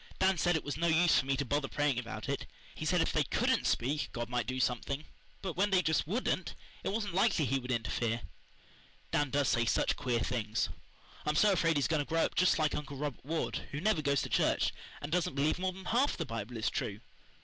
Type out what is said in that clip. "Dan said it was no use for me to bother praying about it. He said if they COULDN'T speak God might do something, but when they just WOULDN'T it wasn't likely He would interfere. Dan does say such queer things. I'm so afraid he's going to grow up just like Uncle Robert Ward, who never goes to church, and doesn't believe more than half the Bible is true."